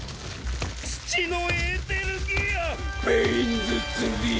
土のエーテルギアペインズツリー。